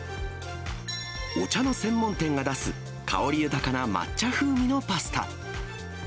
お茶の専門店が出す香り豊かな抹茶風味のパスタ。